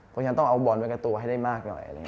ผมยังต้องเอาบอลมาก่อนจะตัวให้ได้มากหน่อย